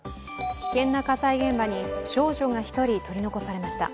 危険な火災現場に少女が１人取り残されました。